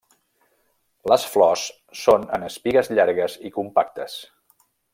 Les flors són en espigues llargues i compactes.